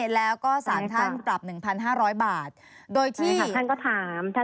แล้วก็ส่างท่านปรับ๑๕๐๐บาทโดยที่พี่สัญธารณะธารณ์ก็ถาม